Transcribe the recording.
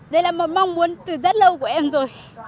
đấy là một mong muốn từ rất lâu của em rồi